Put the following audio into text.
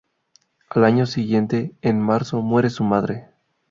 Al año siguiente, en marzo, muere su madre.